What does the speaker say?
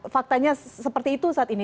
faktanya seperti itu saat ini